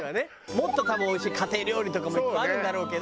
もっと多分おいしい家庭料理とかもいっぱいあるんだろうけど。